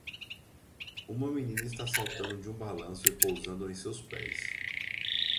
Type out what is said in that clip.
Uma menina está saltando de um balanço e pousando em seus pés